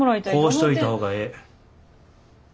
こうしといた方がええ。